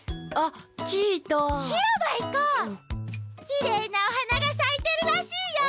きれいなおはながさいてるらしいよ！